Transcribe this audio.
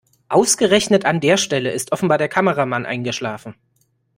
Ausgerechnet an der Stelle ist offenbar der Kameramann eingeschlafen.